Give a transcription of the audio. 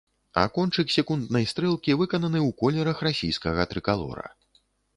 А кончык секунднай стрэлкі выкананы ў колерах расійскага трыкалора.